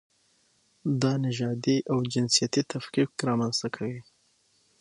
دا نژادي او جنسیتي تفکیک رامنځته کوي.